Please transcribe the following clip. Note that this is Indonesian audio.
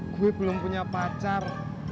gue belum punya pacar